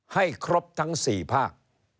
ให้ครบทั้ง๔ภาค